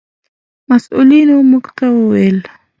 مسؤلینو موږ ته و ویل: